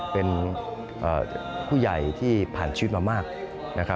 เป็นผู้ใหญ่ที่ผ่านชีวิตมามาก